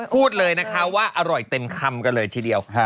พูดเลยนะคะว่าอร่อยเต็มคำกันเลยทีเดียว